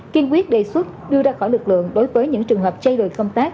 kiên quyết đề xuất đưa ra khỏi lực lượng đối với những trường hợp chay đổi công tác